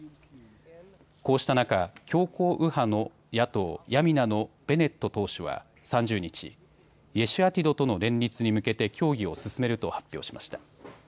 こうした中、強硬右派の野党ヤミナのベネット党首は３０日、イェシュアティドとの連立に向けて協議を進めると発表しました。